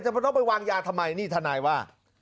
ต้องไปวางยาทำไมนี่ทนายว่า